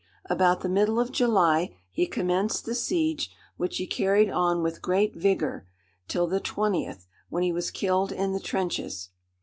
About the middle of July he commenced the siege, which he carried on with great vigour till the twentieth, when he was killed in the trenches.